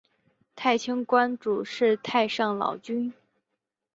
太清观主祀太上老君。